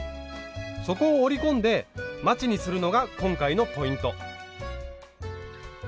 底を折り込んでまちにするのが今回のポイント。